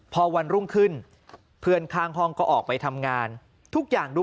พอวันรุ่งขึ้นเพื่อนข้างห้องก็ออกไปทำงานทุกอย่างดู